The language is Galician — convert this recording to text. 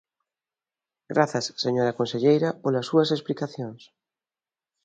Grazas, señora conselleira, polas súas explicacións.